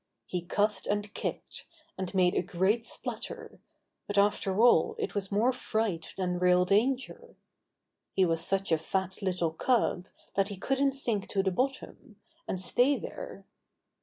He coughed and kicked, and made a great splutter, but after all it was more fright than real danger. He was such a fat little cub that he couldn't sink to the bottom, and stay there.